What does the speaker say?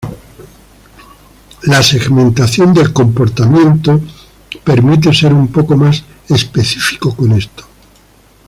La segmentación del comportamiento permite ser un poco más específicos con esto.